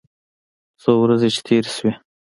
څو ورځې چې تېرې سوې.